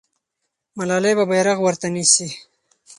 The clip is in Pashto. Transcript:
ملالۍ به بیرغ ورته نیسي.